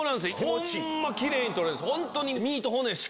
ホンマキレイに取れるんです。